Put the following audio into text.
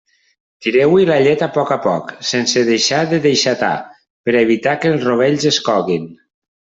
Tireu-hi la llet a poc a poc, sense deixar de deixatar, per a evitar que els rovells es coguin.